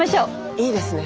いいですね。